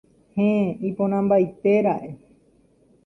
Heẽ iporãmbaitera'e.